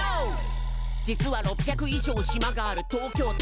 「実は６００以上島がある東京都」